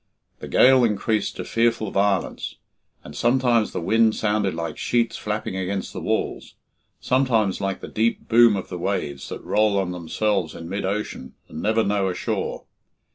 The gale increased to fearful violence, and sometimes the wind sounded like sheets flapping against the walls, sometimes like the deep boom of the waves that roll on themselves in mid ocean and never know a shore.